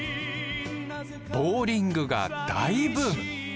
ボウリングが大ブーム。